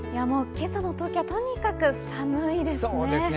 今朝の東京はとにかく寒いですね。